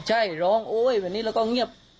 ใช่ร้องโอ๊ยแบบนี้แล้วก็เงียบ